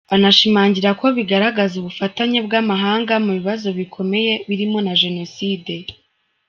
Anashimangira ko bigaragaza ubufatanye bw’amahanga mu bibazo bikomeye birimo na Jenoside.